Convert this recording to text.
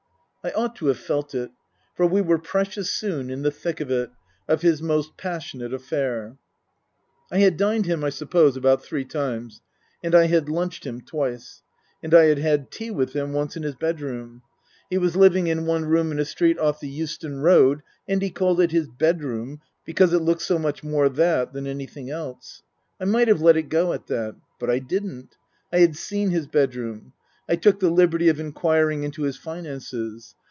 I ought to have felt it. For we were precious soon in the thick of it of his most passionate affair. I had dined him, I suppose, about three times, and I had lunched him twice. And I had had tea with him once in his bedroom. He was living in one room in a street off the Euston Road, and he called it his bedroom because it looked so much more that than anything else. I might have let it go at that. But I didn't. I had seen his bedroom. I took the liberty of inquiring into his finances.